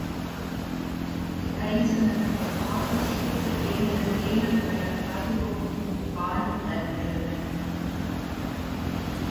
Die einzelnen Verfahrensschritte ähneln denen bei der Fertigung von Uran-Brennelementen.